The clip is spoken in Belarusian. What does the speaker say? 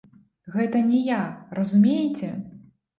Гэта не я, разумееце?